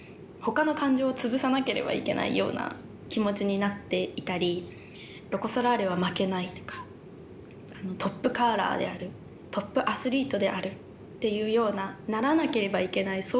ほかの感情を潰さなければいけないような気持ちになっていたりロコ・ソラーレは負けないとかトップカーラーであるトップアスリートであるっていうようなならなければいけない